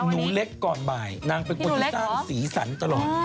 หนูเล็กก่อนบ่ายนางเป็นคนที่สร้างสีสันตลอด